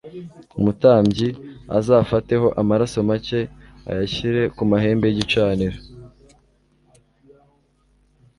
umutambyi azafateho amaraso make ayashyire ku mahembe y igicaniro